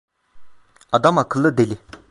Adamakıllı deli.